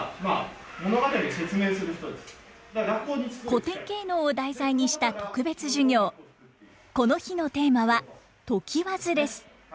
古典芸能を題材にした特別授業この日のテーマは「常磐津」です。